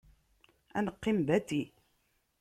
Ad neqqim bati.